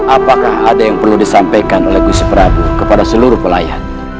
apakah ada yang perlu disampaikan oleh gusi prabu kepada seluruh pelayan